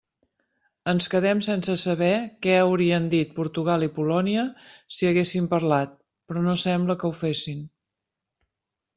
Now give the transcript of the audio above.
Ens quedem sense saber què haurien dit Portugal i Polònia si haguessin parlat, però no sembla que ho fessin.